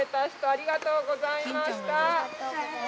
ありがとうございます。